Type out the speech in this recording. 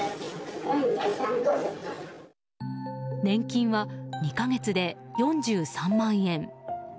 年金は２か月で４３万円。